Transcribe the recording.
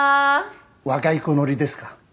若い子ノリですか？